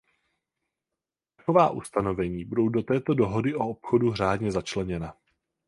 Taková ustanovení budou do této dohody o obchodu řádně začleněna.